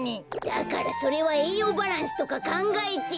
だからそれはえいようバランスとかかんがえて。